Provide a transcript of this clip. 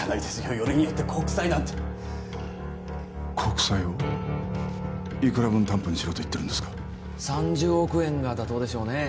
よりによって国債なんて国債をいくら分担保にしろと言ってるんですか３０億円が妥当でしょうね